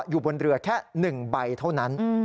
อยู่บนเรือแค่๑ใบเท่านั้น